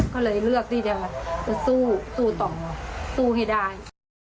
ก็เลยเลือกที่จะสู้ต่อสู้ให้ได้